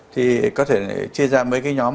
thì có thể chia ra mấy cái nhóm